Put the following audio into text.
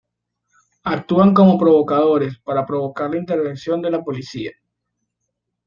Actúan como provocadores, para provocar la intervención de la policía.